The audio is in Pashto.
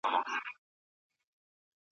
افراطیت په هره برخه کي تر اعتدال خراب دی.